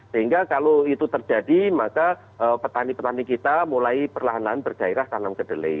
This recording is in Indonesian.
sehingga kalau itu terjadi maka petani petani kita mulai perlahanan berjairah tanam kedele